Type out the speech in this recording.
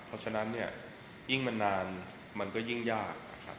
เพราะฉะนั้นเนี่ยยิ่งมันนานมันก็ยิ่งยากนะครับ